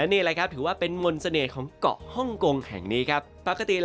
นี่แหละครับถือว่าเป็นมลเสนต์ของเกาะฮ่องโกงอาจจะหรือดูไปใหม่รุ่ง